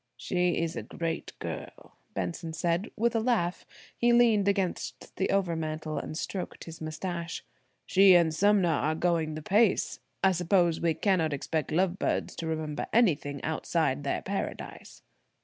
"She is a great girl," Benson said with a laugh–he leaned against the over mantel and stroked his moustache. "She and Sumner are going the pace. I suppose we cannot expect lovebirds to remember anything outside their paradise."